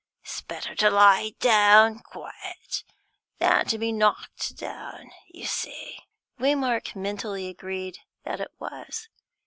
It's better to lay down quiet than to be knocked down, you see." Waymark mentally agreed that it was.